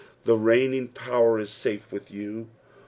the reigniDg power is safe vith yon.